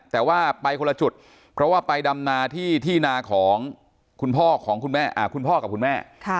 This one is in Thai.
แต่ว่าไปคนละจุดเพราะว่าไปดำนาที่นาของคุณพ่อของคุณพ่อกับคุณแม่